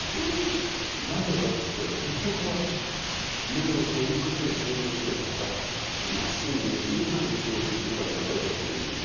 なぜかって言ったら結局は目を背けて仕事してたかまっすぐ見つめないで仕事してたんだと私は思うんです。